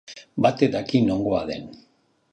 Batek daki nongoa den!